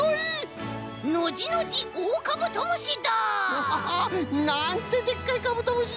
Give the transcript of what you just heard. ホホホッ。なんてでっかいカブトムシ